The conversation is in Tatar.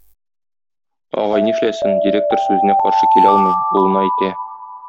Агай нишләсен, директор сүзенә каршы килә алмый, улына әйтә